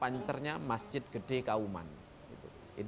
pancernya masjid gede kauman